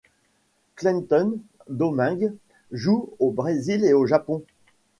Kleiton Domingues joue au Brésil et au Japon.